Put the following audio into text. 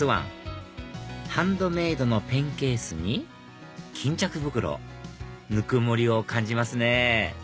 ハンドメイドのペンケースに巾着袋ぬくもりを感じますね